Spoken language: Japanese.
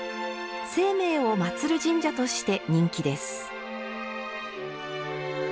晴明をまつる神社として人気です。